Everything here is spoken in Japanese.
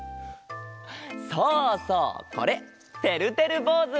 そうそうこれてるてるぼうず！